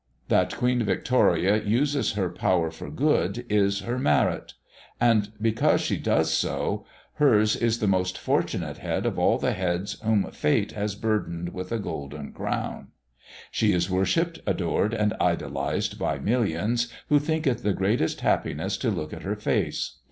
That Queen Victoria uses her power for good is her merit; and, because she does so, her's is the most fortunate head of all the heads whom fate has burdened with a golden crown. She is worshipped, adored, and idolised, by millions, who think it the greatest happiness to look at her face.